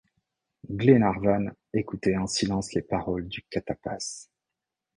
Glenarvan écoutait en silence les paroles du catapaz.